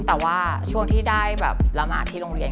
แต่ว่าช่วงที่ได้แบบละหมาดที่โรงเรียน